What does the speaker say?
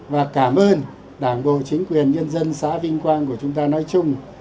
và cảm ơn đảng bộ chính quyền nhân dân xã vinh quang của chúng ta nói chung